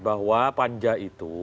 bahwa panja itu